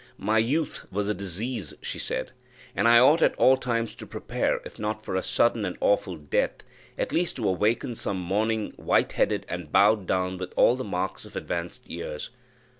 My youth was a disease, she said, and I ought at all times to prepare, if not for a sudden and awful death, at least to awake some morning white headed and bowed down with all the marks of advanced years.